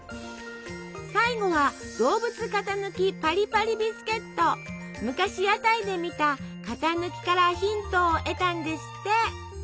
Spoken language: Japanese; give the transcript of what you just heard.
最後は昔屋台で見た型抜きからヒントを得たんですって。